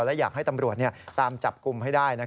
และอยากให้ตำรวจตามจับกลุ่มให้ได้